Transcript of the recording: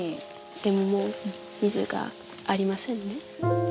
でももう水がありませんね。